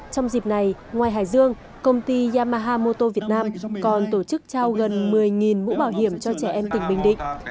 trong dịp này ngoài hải dương công ty yamaha mô tô việt nam còn tổ chức trao gần một mươi mũ bảo hiểm cho trẻ em tỉnh bình định